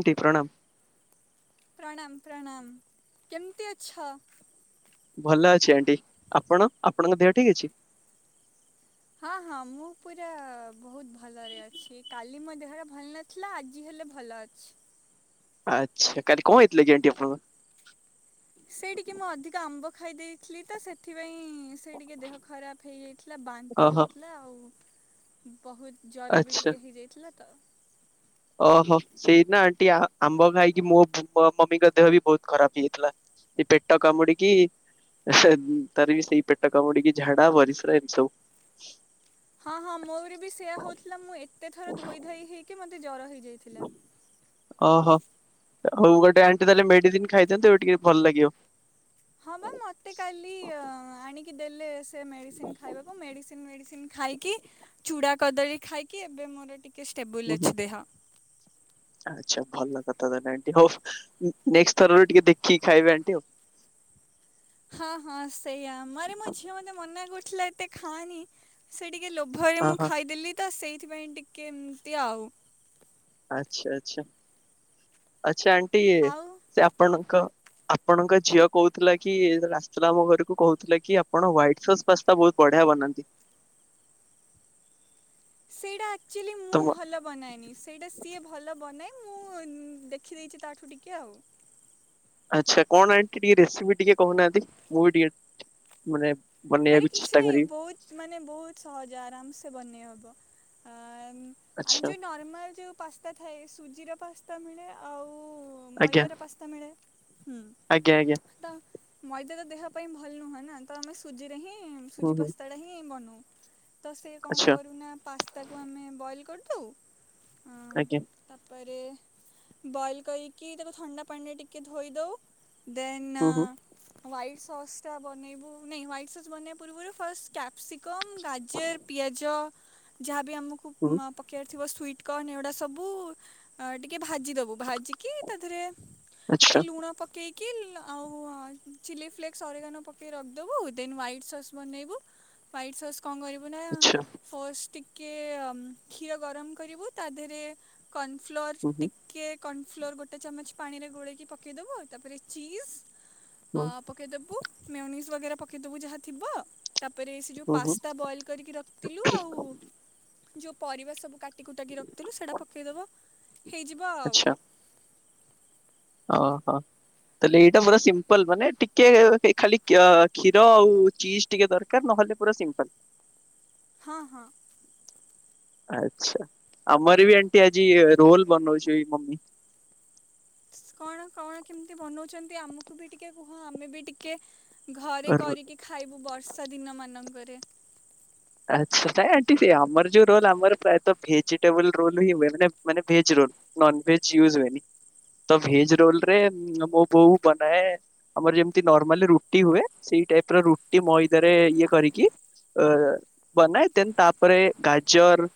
Anti ପ୍ରଣାମ୍। ପ୍ରଣାମ ପ୍ରଣାମ କେମିତି ଅଛ? ଭଲ ଅଛି ଆଣ୍ଟି। ଆପଣ। ଆପଣଙ୍କ ଦେହ ଠିକ୍ ଅଛି? ହଁ ହଁ ମୁଁ ପୁରା ବୋହୁତ ଭଲରେ ଅଛି। କାଲି ମୋ ଦେହଟା ଭଲ ନଥିଲା ଆଜି ହେଲେ ଭଲ ଅଛି। ଆଚ୍ଛା କାଲି କଣ ହେଇଥିଲା କି ଆଣ୍ଟି ଆପଣଙ୍କର? ସେଇଠିକି ମୁଁ ଅଧିକ ଆମ୍ବ ଖାଇ ଦେଇଥିଲି ତ ସେଥିପାଇଁ ସେ ଟିକେ ଦେହ ଖରାପ ହେଇଯାଇଥିଲା। ବାନ୍ତି ଓହୋ ହୋଉଥିଲା ଆଉ। [inaudible] ବହୁତ ଜର ବି ଆଚ୍ଛା। ଟିକେ ହେଇଯାଇଥିଲା। ତ ଓହୋ ସେଇ ନା ଆଣ୍ଟି ଆମ୍ବ ଖାଇକି ମୋ ମମିଙ୍କ ଦେହ ବି ବହୁତ ଖରାପ ହେଇଯାଇଥିଲା ସେ ପେଟ କାମୁଡିକି ତାର ବି ସେଇ ପେଟ କାମୁଡିକି ଝାଡା ପରିସ୍ରା ଏମିତି ସବୁ ହଁ ହଁ ମୋରେ ବି ସେୟା ହୋଉଥିଲା ମୁଁ ଏତେ ଥର ଧୋଇ ଧାଇ ହେଇକି ମତେ ଜର ହେଇ ଯାଇଥିଲା। ଓହୋ ହଉ ଗୋଟେ ଆଣ୍ଟି ତାହେଲେ ମେଡିସିନ ଖାଇଦିଅନ୍ତୁ ଟିକେ ଭଲ ଲାଗିବ। ହଁ ବା ମତେ କାଲି ଆଣିକି କି ଦେଲେ ମେଡିସିନ ଖାଇବାକୁ ମେଡିସିନ ମେଡିସିନ ଖାଇକି ଚୁଡା କଦଳୀ ଖାଇକି ଏବେ ମୋର ଟିକେ ଷ୍ଟେବୁଲ ହୁଁ ହୁଁ ଅଛି ଦେହ। ଆଚ୍ଛା ଭଲ। ନାଇଁଟି ହଉ ନେଷ୍ଟ ଥର ଟିକେ ଦେଖିକି ଖାଇବେ ଆଣ୍ଟି ଆଉ। ହଁ ହଁ ସେଇଆ ମାନେ ମୋ ଝିଅ ମତେ ମନା କରୁ ଫୁଲଟା ଖାନି ସେ ଟି ଟିକେ ଲୋଭରେ ହଁ ମୁଁ ହଁ ଖାଇଦେଲି ତ ସେଇ ସେଥିପାଇଁ ଟିକେ ଏମତି ଆଉ। ଆଚ୍ଛା ଆଚ୍ଛା। ଆଚ୍ଛା ଆଣ୍ଟି ଆଉ ସେ ଆପଣଙ୍କ ଆପଣଙ୍କ ଝିଅ କହୁଥିଲା କି ଆସିଥିଲା ଆମ ଘରକୁ କହୁଥିଲା କି ଆପଣ ହ୍ୱାଇଟ ସସ୍ ପାସ୍ତା ବହୁତ ବଢିଆ ବନାନ୍ତି। ସେଡା ଆକଚୋଲି ମୁଁ ତମ ଭଲ ବନାଏନି ସେଇଟା ସିଏ ଭଲ ବନାଏ ମୁଁ ଦେଖିଦେଇଛି ତାଠୁ ଟିକେ ଆଉ। ଆଚ୍ଛା କହୁନାହାନ୍ତି ଟିକେ ରେସିପି ଟିକେ। କହୁନାହାନ୍ତି ମୁଁ ବି ଟିକେ ମାନେ ଆରେ ବନେଇବାକୁ କିଛି ଚେଷ୍ଟା ନାଇଁ କରିବି ବହୁତ ମାନେ ବହୁତ ସହଜ ଆରାମସେ ବନେଇ ହବ। ବ ଆ ଆମ ଆଚ୍ଛା ଯଉ ନର୍ମାଲ ଯଉ ପାସ୍ତା ଥାଏ ସୁଜି ଜିରା ପାସ୍ତା ମିଳେ ଆଉ ଓ ଆଜ୍ଞା। ମଇଦାର ପାସ୍ତା ମିଳେ। ହୁଁ ଆଜ୍ଞା ଆଜ୍ଞା ତ। ମଇଦା ତ ଦେହ ପାଇଁ ଭଲ ନୁହଁ ନା ତ ଆମେ ସୁଜି ରେ ହିଁ ହୁଁ ସୁଜି ହୁଁ ପାସ୍ତା ଟା ହିଁ ବନଉ। ତ ସେ କଣ ଆଚ୍ଛା କରୁନା ପା ତାକୁ ଆମେ ବଏଲ କରିଦଉ। ଆଜ୍ଞା। ପରେ ବଏଲ କରିକି ତାକୁ ଥଣ୍ଡା ପାଣିରେ ଟିକେ ଧୋଇ ଦଉ। ଦେନ୍ ହୁଁ ହୁଁ ହ୍ୱାଇଟ୍ ସସ୍ ଟା ବନେଇବୁ। ନାଇଁ ହ୍ୱାଇଟ୍ ସସ୍ ବନେଇବା ପୂର୍ବରୁ ଫାଷ୍ଟ କ୍ୟାପ୍ସି କମ୍ ଗାଜର ପିଆଜ ଯା ବି ଆମକୁ ହୁଁ ପକେଇବାର ଥିବ। ସ୍ବିଟକର୍ନ ଏଗୁଡା ସବୁ ଟିକେ ଭାଜି ଦବୁ ଭାଜିକି ତା ଦେହରେ ଆଚ୍ଛା ଏ ଲୁଣ ପକେଇ ଆଉ ଚିଲି ଫ୍ଲେକ୍ସ ଅରିଗାନୋ ପକେଇ ର ଦେନ୍ ହ୍ୱାଇଟ ସସ୍ ବନେଇବୁ ହ୍ୱାଇଟ ସସ୍ କଣ କରିବୁ ନା ଆଚ୍ଛା ଫଷ୍ଟିକ କି କ୍ଷୀର ଗରମ କରିବୁ ତା ଦେହରେ କନଫ୍ଲୋର ହୁଁ ହୁଁ ଟିକେ କର୍ଣ ଫ୍ଲୋର ଗୋଟେ ଚାମଚ ପାଣି ରେ ଗୋଳେଇକି ପକେଇଦବ ତାପରେ ଚିଜ ଅ ହୁଁ ପକେଇ ଦବୁ। ମିନ୍ୟୁଷ ପକେଇଦବୁ ଯାହା ଥିବ। ତାପରେ ସେ ଯୋଉ ହୁଁ ହୁଁ ପାସ୍ତା ବଏଲ କରିକି ରଖିଥିଲୁ ଆଉ ଯୋଉ ପରିବିବା ସବୁ କାଟି କୁଟାକି ରଖିଥିଲୁ ସେଟା ପକେଇଦବ। ହେଇଯିବ ଆଉ। ଆଚ୍ଛା ଓହୋ ତାହେଲେ ଏଇଟା ପୁରା ସିମ୍ପଲ ମାନେ ଟିକେ ଖାଲି କ୍ଷୀର ଆଉ ଚିଜ ଟିକେ ଦରକାର ନହେଲେ ପୁରା ସିମ୍ପଲ। ହଁ ହଁ। ଆଚ୍ଛା ଆମର ବି ଆଣ୍ଟି ଆଜି ରୋଲ ବନଉଛି ମମୀ। କଣ କଣ କେମିତି ବନଉଛନ୍ତି ଆମକୁ ବି ଟିକେ କୁହ ଆମେ ବି ଟିକେ ଘରେ କରିକି ଖାଇବୁ ବର୍ଷ ବର୍ଷା ଦିନ ମାନଙ୍କରେ। ଆଛା ନଁ ଆଣ୍ ଆମର ଯୋଉ ରୋଲ ଆମର ପ୍ରାୟତ ଭେଜିଟେବଲ ରୋଲ ହ ହୁଏ ମାନେ ମାନେ ଭେଜ ରୋଲ ନାଂଭେଜ ଇୟୁଜ ହୁଅନିତ ଭେଜ ରୋଲ ରେ ମୋ ବୋଉ ବନାଏ ଆମର ଯେମିତି ନର୍ମାଲ ରୁଟି ହୁଏ ସେଇ ଟାଇପ ରୁଟି ମଇଦା ଇଏ କରିକି ବନାଏ ଦେନ ତାପରେ ଗାଜର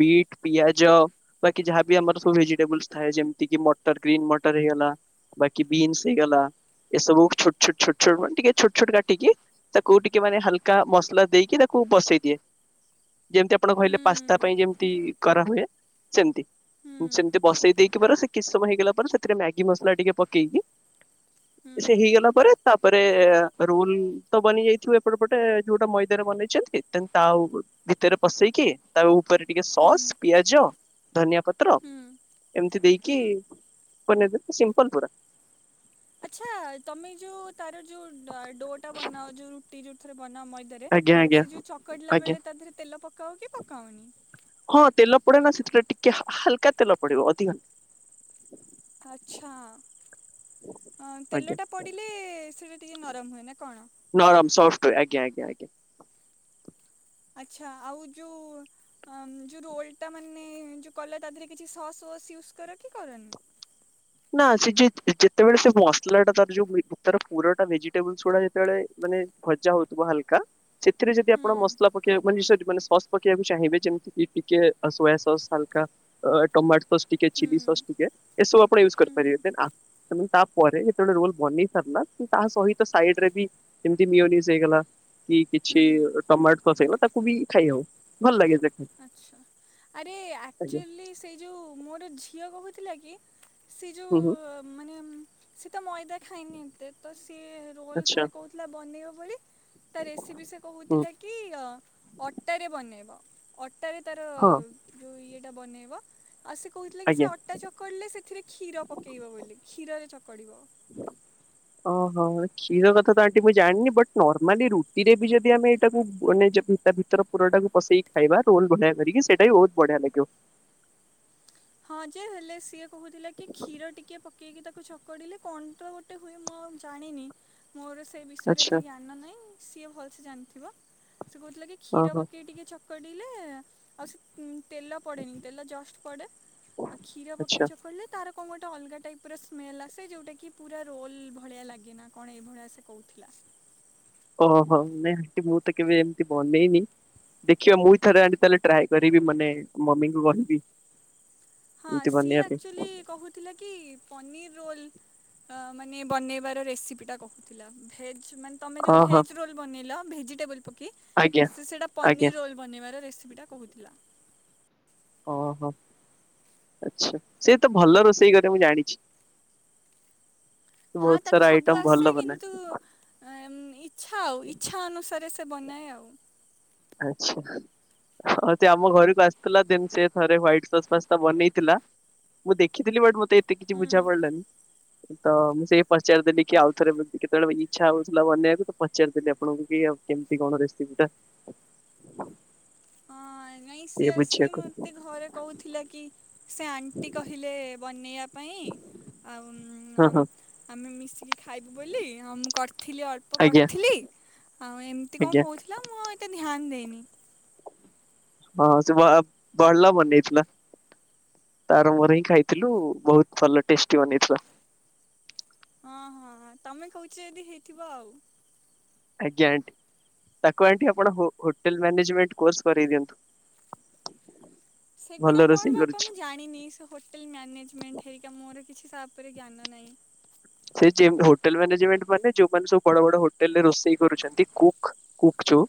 ବିଟ ପିଆଜ ବାକି ଯାହାବି ଆମର ସବୁ ଭେଜିଟେବୁଲସ ଥାଏ ଯେମତି କି ମଟର ଗ୍ରୀନ୍ ମଟର ହେଇଗଲା ବାକି ବିନ୍ସ ହେଇଗଲା ଏ ସବୁ ଛୋଟ ଛୋଟ ଛୋଟ ଛୋଟ ମାନେ ଟିକେ ଛୋଟ ଛୋଟ କାଟିକି ତାକୁ ଟିକେ ମାନେ ହାଲକା ମସଲା ଦେଇକି ତାକୁ ବସେଇ ଯେମିତି ଆପଣ କହିଲେ ହୁଁ ପାସ୍ତା ପାଇଁ ଯେମତି କରାହୁଏ ସେମିତି ହୁଁ ସେମିତି ବସେଇ ଦେଇକି ପରେ ସେ କିଛି ସମୟ ହେଇଗଲା ପରେ ସେଥିରେ ମ୍ୟାଗି ମସଲା ଟିକେ ପକେଇକି ହୁଁ ସେ ହେଇଗଲା ପରେ ତାପରେ ରୁଲ ତ ବି ଯାଇଥିବେ ଏପଟେ ପଟେ ଯୋଉଟା ମଇଦାନ ବନେଇଛନ୍ତି। ତା ଭିତରେ ପସେଇକି ତାକୁ ତାରେ ଟିକେ ହୁଁ ସସ୍ ପିଆଜ ଧନ୍ୟା ପତ୍ର ହୁଁ ଏମତି ଦେଇକି ହୁଁ। ବନେଇଦେବେ ସିମ୍ପଲ ପୁରା। ଆଛା ତମେ ଯୋଉ ତାର ଯୋଉ ଡୋ ଟା ବନାଅ ଯୋଉ ରୁଟି ଯୋଉ ବନା ମଇଦରେ ଆଜ୍ଞା ଆଜ୍ଞା ସେ ଯୋଉ ଚକଡିଲା ଆଜ୍ଞା ବେଳେ ତା ଦେହରେ ତେଲ ପ ପକାଉ କି ପକାଉନି। ହଁ ତେଲ ପଡେ ନା ସେଥିରେ ଟିକେ ହାଲକା ତେଲ ପଡିବ ଅଧିକ ଆଚ୍ଛା ଆଜ୍ଞା ତେଲଟା ପଡ଼ିଲେ ସେଟା ଟିକେ ନରମ ହୁଏ ନା କଣ। ନରମ ସଫ୍ଟ ଆଜ୍ଞା ଆଜ୍ଞା। ଆଚ୍ଛା ଆଉ ଯେଉ ଯେଉଁ ରୋଲଟା ମାନେ ଯେଉଁ କଲ ତା ଦେହରେ କିଛି ସସ୍ ୱସ୍ ୟୁଜ୍ କର କି କରନି। ନା ସେ ଯେ ଯେତେବେଳେ ସେ ମସଲା ଟା ତାର ଯୋଉ ତାର ପୁରଟା ଭେଜିଟେବଲ ଗୁଡା ଯେତେବେଳେ ମାନେ ଭଜା ହଉଥିବ ହାଲକା ସେଥିରେ ଯଦି ହୁଁ ଆପଣ ମସଲା ପକେଇବା ମାନେ ସସ୍ ପକେଇବାକୁ ଚାହିଁବେ ଯେମିତି ସସ୍ ଟିକେ ହୁଁ ଚିଲି ସସ୍ ଟିକେ। ଏସବୁ ପଣ ୟୁଜ ହୁଁ କରିପାରିବେ ତାପରେ ଯେତେବେଳେ ରୋଲ ବନେଇ ସାରିଲା ତା ସହିତ ସାଇଡରେ ବିମତି ମିନ ହେଇଗଲା କି କିଛି ହୁଁ ଟମାଟୋ ଫସ ହେଇଗଲା ତାକୁ ବି ଖାଇ ହଉ ଭଲ ଲାଗେ। ଆଚ୍ଛା ଆରେ ଆଜ୍ଞା ଆଚୁଆଲି ସେ ଯୋଉ ମୋର ଝିଅ କହୁଛି ଥିଲା। ସେ ହୁଁ ହୁଁ ଯୋଉ ମାନେ ସେତ ମଇଦା ଖାଇନି ଏତେ ତ ସିଏ ରୋଲ ଆଚ୍ଛା ଥରେ କହୁଥିଲା ବନେଇବ ବୋଲି ତା ରେସିପି ସେ ହୁଁ କହୁଥିଲା କି ଅଟାରେ ବନେଇବ। ଅଟା ବି ତାର ହଁ ଯୋଉ ଇଏ ଟା ବନେଇବା। ଆଉ ସେ କହୁଥିଲା କି ଆଜ୍ଞା ସେ ଅଟା ଚକୁଡ଼ିଲେ ସେଥିରେ କ୍ଷୀର ପକେଇବ ବୋଲି କ୍ଷୀରରେ ପଡ଼ିବ। ଓହୋ ଷୀର କଥା ତ ମୁ ଜାଣିନି ବଟ ନର୍ମାଲି ରୁଟିରେ ବି ଯଦି ଆମେ ଏଇଟାକୁ ମାନେ ଭିତର ପୁରଟାକୁ ପସେଇକି ଖାଇବା ରୋଲ ବଢିଆ କରିକି ସେଇଟା ବି ବହୁତ ବଢିଆ ଲାଗିବ। ହଁ ଯେ ହେଲେ ସିଏ କହୁଥିଲା କି କ୍ଷୀର ଟିକେ ପକେଇକି ତା ଚକଡିଲେ କଣ ତ ଗୋଟେ ହୁଏ ମୁଁ ଆଉ ଜାଣିନି। ମୋର ସେଇ ବିଷୟରେ ଆଚ୍ଛା ଏତେ ଜ୍ଞାନ ନାହିଁ। ସିଏ ଭଲ ସେ ଜାଣିଥିବ। ସେ କହୁଥିଲା କି କ୍ଷୀର ଓହୋ ପକେଇ ଟିକେ ଚ ଚକଡିଲେ ଆଉ ସେ ଉଁ ତେଲ ପଡ଼େନି ତେଲ ଜଷ୍ଟ ପଡ଼େ। ଆଉ କ୍ଷୀର ଆଚ୍ଛା ପକେଇ ଚକଡିଲେ ତା ତାର କଣ ଗୋଟେ ଅଲଗା ଟାଇପର ସ୍ମେଲ ଆସେ ଯୋଉଟା କି ପୁରା ରୋଲ ଭଳିଆ ଲାଗେ ନା କଣ ଏଇଭଳିଆ ସେ କହୁଥିଲା। ଓହୋ ନାଇଁ ଆଣ୍ଟି ମୁଁ ତ କେବେ ଏମିତି ବନେଇନି ଦେଖିବା ମୁଇଁ ଥରେ ଆଣ୍ଟି ତାହେଲେ ଟ୍ରାଏ କରିବି ମାନେ ମମିଙ୍କୁ କହିବି। ହଁ ଏମିତି ସିଏ ବନେଇବା ପାଇଁ ଆକ୍ଟୁଲି କହୁଥିଲା କି ପନିର ରୋଲ ଅ ମାନେ ବନେଇବାର ରେସିପିଟା କହୁଥିଲା ଭେଜ ଜ ମାନେ ତମେ ଯୋଉ ଓହୋ ଭେଜ ରୋଲ ବନେଇଲ ଭେଜିଟେବୁଲ ପକେଇ ଆଜ୍ଞା ସେ ସେଟା ଆଜ୍ଞା ପନିର ରୋଲ ବନେଇବାର ରେସି ପି ଟା କହୁଥିଲା। ଓହୋ ଆଚ୍ଛା ସେ ତ ଭଲ ରୋଷେଇ କରେ ମୁଁ ଜାଣିଛି। ସେ ହଁ ବହୁତ ତାକୁ ସାରା ସବୁ ଆଇଟମ ଆସେ ଭଲ ବନାଏ କିନ୍ତୁ ଅଁ ଏଁ ଉଁ ଇଚ୍ଛା ଆଉ ଇଚ୍ଛା ଅନୁସାରେ ସେ ବନାଏ ଆଉ। ଆଚ୍ଛା ଆଉ ସେ ଆମ ଘରୁକୁ ଆସିଥିଲା ଦେନ ସେ ଥରେ ହ୍ବାଇଟ ସସ ପାସ୍ତା ବନେଇଥିଲା। ମୁଁ ଦେଖିଥିଲି ବଟ ମତେ ଏତେ କିଛି ହୁଁ ବୁଝା ପଡିଲାନି। ତ ମୁଁ ସେଇ ପଚାରିଦେଲି କି ଆଉ ଥରେ ଯଦି କେତେବେଳେ ଇଚ୍ଛା ହଉଥିଲା ବନେଇଆକୁ ତ ପଚାରିଦେଲି ଆପଣଙ୍କୁ କି ଆଉ କେମିତି କଣ ରେସିପି ଟା। [inaudible] ହଁ ନାଇଁ ଇଏ ସିଏ ଆସିକି ବୁଝିବାକୁ ମତେ ଘରେ କହୁଥିଲା କି ସେ ଆଣ୍ଟି କହିଲେ ବନେଇଆ ପାଇଁ ଆଉ ଉଁ ହଁ ଅଁ ହଁ ଆମେ ମିଶି କି ଖାଇବୁ ବୋଲି ଅଁ ମୁଁ କର ଥିଲି ଅଳ୍ପ ଆଜ୍ଞା କରିଥିଲି ଆଉ ଏମତି କଣ ଆଜ୍ଞା କହୁଥିଲା ମୁଁ ଆଉ ଏତେ ଧ୍ୟାନ ଦେଇନି। ହଁ ସେ ବ ଭଲ ବନେଇଥିଲା। ତାର ମୋର ହିଁ ଖାଇଥିଲୁ ବହୁତ ଭଲ ଟେଷ୍ଟି ବନେଇଥିଲା। ହଁ ହଁ ହଁ ତମେ କହୁଛ ଯଦି ହେଇଥିବ ଆଉ। ଆଜ୍ଞା ଆଣ୍ଟି ତାକୁ ଆଣ୍ଟି ଆପଣ ହୋ ହୋଟେଲ ମ୍ୟାନେଜମେଣ୍ଟ କୋର୍ସ କରଇ ଦିଅନ୍ତୁ। ଭଲ ସେଗୁଡା କଣ ରୋଷେଇ ବାପା କରୁଛି। ମୁଁ ଜାଣିନି ସେ ହୋଟେଲ ମ୍ୟାନେଜମେଣ୍ଟ ହେଇକା ମୋର କିଛି ତା ଉପରେ ଜ୍ଞାନ ନାହିଁ। ସେ ଯେମତି ହୋଟେଲ ମ୍ୟାନେଜମେଣ୍ଟ ମାନେ ଯୋଉମାନେ ସବୁ ବଡ ବଡ ହୋଟେଲ ରେ ରୋଷେଇ କରୁଛନ୍ତି କୁକ କୁକ ଯୋଉ।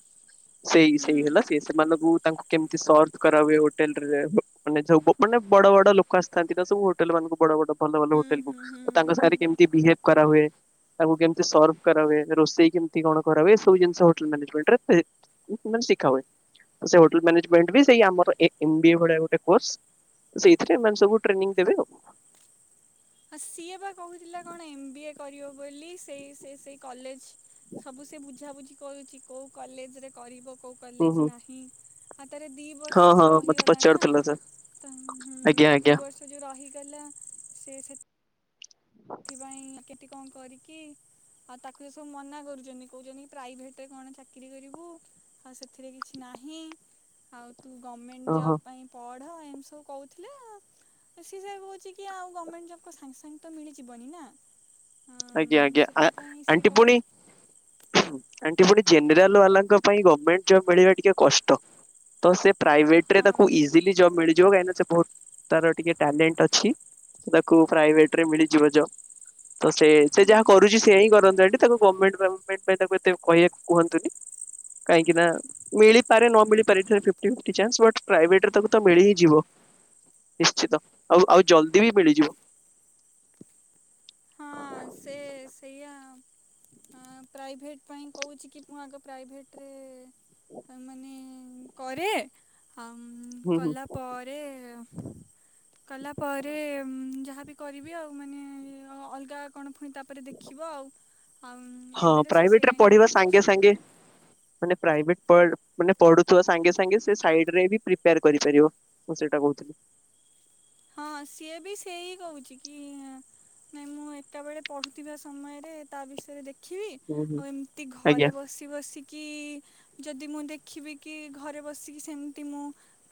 ସେଇ ହୁଁ ସେଇ ହେଲା ସେ ସେମାନଙ୍କୁ ତାଙ୍କୁ କେମିତି ସର୍ଭ କରାହୁଏ ହୋଟେଲରେ ମାନେ ଯୋଉ ମାନେ ବଡ ବଡ ଲୋକ ଆସିଥାନ୍ତି ନା ସବୁ ହୋଟେଲ ମାନଙ୍କୁ ବଡ ବଡ ଭଲ ଭଲ ହୁଁ ହୋଟେଲ କୁ ହୁଁ ହୁଁ ତ ତାଙ୍କ ହୁଁ। ସାଙ୍ଗରେ ବିହେବ କରା ହୁଏ ତାଙ୍କୁ କେମତି ସର୍ଭ କରା ହୁଏ ରୋଷେଇ କେମତି କଣ କରାହୁଏ ଏସବୁ ଜିନିଷ ହୋଟେଲ ମ୍ୟାନେଜମେଣ୍ଟରେ ଏ ମାନେ ଶିଖା ହୁଏ। ଆଉ ସେଇ ହୋଟେଲ ମ୍ୟାନେଜମେଣ୍ଟ ବି ସେଇ ଆମର ଏ ଏମ ବି ଏ ଭଳିଆ ଗୋଟେ କୋର୍ସ। ସେଇଥିରେ ମାନେ ସବୁ ଟେନିଂ ଦେବେ ଆଉ। ଆଉ ସିଏ ବା କହୁଥିଲା କଣ ଏମ ବି ଏ କରିବ ବୋଲି ସେଇ ସେଇ ସେଇ କଲେଜ ସବୁ ସେ ବୁଝାବୁଝି କରୁଛି କୋଉ କଲେଜରେ କରିବ କୋଉ ହୁଁ କଲେଜ ହୁଁ ନାହିଁ। ହାତରେ ଦି ହଁ ବର୍ଷ ହଁ ସେ ମତେ ରହିଗଲା ନା। ପଚାରୁଥିଲା ସାର୍ ତ ହୁଁ ଆଜ୍ଞା ତ ଦି ଆଜ୍ଞା ବର୍ଷ ଯୋଉ ରହିଗଲା ସେ ସେ ତି କଣ କରିକି ଆଉ ତାକୁ ଏ ସବୁ ମନା କରୁଚନି କହୁଚନ୍ତି କି ପ୍ରାଇଭେଟରେ କଣ ଚାକିରୀ କରିବୁ ଆଉ ସେଥିରେ କିଛି ନାହିଁ ଆଉ ତୁ ଗର୍ମେଣ୍ଟ ଓହୋ ଜବ୍ ପାଇଁ ପଢ ଏମତି ସବୁ କହୁଥିଲେ ସି ସେୟା କହୁଚି କି ଆଉ ଗମେଣ୍ଟ ଜବ କ ସାଙ୍ଗେ ସାଙ୍ଗେ ତ ମିଳି ଜିବନି ନା। ଆଜ୍ଞା ଆଜ୍ଞା ଆ ସେଥିପାଇଁ ସେ ଆଣ୍ଟି ପୁଣି କହୁଛି ଆଣ୍ ସେ ପୁଣି ଜେନେରାଲ ୱାଲାଙ୍କ ପାଇଁ ଗର୍ମେଣ୍ଟ ଜବ୍ ମିଳିବା ଟିକେ କଷ୍ଟ ତ ସେ ପ୍ରାଇଭେଟରେ ହଁ ତାକୁ ଇଜିଲି ଜବ୍ ମିଳି ଯିବ କାଇଁ ନା ସେ ବହୁତ ତାର ଟିକେ ଟଲେଣ୍ଟ ଅଛି ତାକୁ ପ୍ରାଇଭେଟରେ ମିଳିଯିବ ଯବ୍। ସେ ସେ ହୁଁ ଯାହା କରୁଛି ସେଇଆ ହିଁ କରନ୍ତୁ ଆଣ୍ଟୀ ତାକୁ ଗମେଣ୍ଟ ତାକୁ ପାଇଁ ତାକୁ ଏତେ କହିବାକୁ କୁହନ୍ତୁନି କାହିଁକି ନା ମିଳିପାରେ ନ ମିଳିପାରେ ଏଥିରେ ଫିଫ୍ଟୀ ଫିଫ୍ଟି ଚାନସ ପ୍ରାଇଭେଟରେ ତାକୁ ତ ମିଳି ହିଁ ଯିବ ନିଶ୍ଚିତ ଆଉ ଆଉ ଜଲଦି ବି ମିଳିଯିବ। ହଁ ପ୍ରାଇଭେଟ ପାଇଁ କହୁଛି କି ମୁଁ ଆଗ ପ୍ରାଇଭେଟରେ ମାନେ କରେ ଆମ ହୁଁ ହୁଁ କଲା ପରେ କଲା ପରେ ଯାହାବି କରିବି ଆଉ ମାନେ ଅଲଗା କଣ ପୁଣି ତାପରେ ଦେଖିବ ଆଉ ଆମ ହଁ ଏବେ ତ ସେ ପ୍ରାଇଭେଟରେ ସେୟା ହିଁ ପଢିବା କହୁଛି। ସାଙ୍ଗେ ସାଙ୍ଗେ ମାନେ ପ୍ରାଇଭେଟ ପଢ଼ ମାନେ ପଢୁଥିବା ସାଙ୍ଗେ ସାଙ୍ଗେ ସେ ସାଇଡ୍ ରେ ହିଁ ପ୍ରିପେୟାର କରିପାରିବ ମୁଁ ସେଇଟା କହୁଥିଲି। ହଁ ସିଏ ବି ସେଇ କହୁଛି କି ନାଇଁ ମୁଁ ଏକାବେଳେ ପଢୁଥିବା ସମୟରେ ତା ବିଷୟରେ ଦେଖ ଦେଖିବି ହୁଁ ହୁଁ ଆଉ ଏମିତି ଘରେ ଆଜ୍ଞା ବସି ବସି କି ଯଦି ମୁଁ ଦେଖିବି କି ଘରେ ବସିକି ସେମିତି ମୁଁ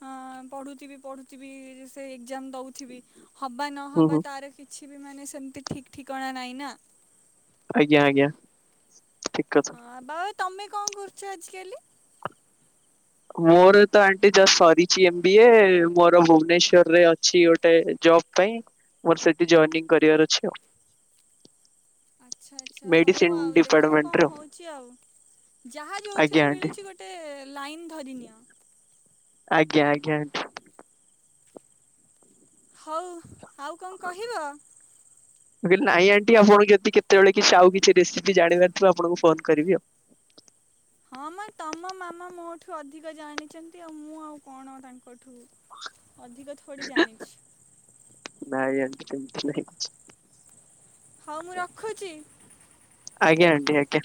ଅ ପଢୁଥିବି ପଢୁଥିବି ସେ ଏକଜାମ୍ ଦଉଥିବି ହବା ହୁଁ ନହବା ହୁଁ ତାର କିଛି ଏଠି ବି ମାନେ ସେମତି ଠିକ୍ ଠିକଣା ନାଇଁ ନା। ଆଜ୍ଞା ଆଜ୍ଞା। ଠିକ କଥା। ହଁ ବଅତ୍ ତମେ କଣ କରୁଛ ଆଜିକାଲି? ମୋର ତ ଆଣ୍ଟି ଜଷ୍ଟ ସରିଛି ଏମ୍ ବି ଏ ମୋର ଭୁବନେଶ୍ଵରରେ ଅଛି ଗୋଟେ ଜବ ପାଇଁ ମୋର ସେଠି ଜଏନିଂ କରିବାର ଅଛି ଆଉ। ଆଚ୍ଛା ଆଚ୍ଛା ହଉ ମେଡିସିନ ଆଉ ଦେଖ କଣ ଡିପାର୍ଟମେଣ୍ଟରେ ହଉଛି ଆଉ ଯାହା ଆଜ୍ଞା ଯୋଉଥିରେ ଆଣ୍ଟି। ମିଳୁଛି ଗୋଟେ ଲାଇନ୍ ଧ ରି ନିଅ। ଆଜ୍ଞା ଆଜ୍ଞା ଆଣ୍ଟୀ। ହଉ। ଆଉ କଣ କହିବ? ମୁଁ କହିଲି ନାଇଁ ଆଣ୍ଟି ଆପଣଙ୍କୁ ଏମତି କେତେବେଳେ କିଛି ଆଉ କିଛି ରେସିପି ଜାଣିବାର ଥିବ ଆପଣଙ୍କୁ ଫୋନ କରିବି ଆଉ। ହଁ ମ ତମ ମାମା ମୋଠୁ ଅଧିକ ଜାଣିଛନ୍ତି ଆଉ ମୁଁ ଆଉ କଣ ତାଙ୍କଠୁ ଅଧିକ ଥୋଡି ଜାଣିଛି। ଆଣ୍ଟି ସେମତି ନାଇଁ। ହଉ ମୁଁ ରଖୁଛି। ଆଜ୍ଞା ଆଣ୍ଟି ଆଜ୍ଞା।